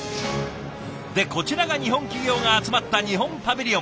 でこちらが日本企業が集まった日本パビリオン。